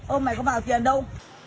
ông mày có vào tiền đâu